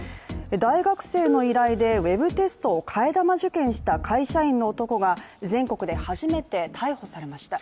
大学生の依頼でウェブテストを替え玉受検した会社員の男が全国で初めて逮捕されました。